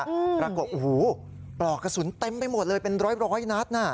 อืมแล้วก็โอ้โหปลอกกระสุนเต็มไปหมดเลยเป็นร้อยนัดน่ะ